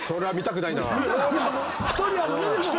１人やもんねでも。